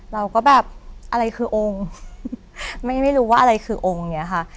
เราก็แบบอะไรคือองค์ไม่รู้ว่าอะไรคือองค์เนี่ยค่ะ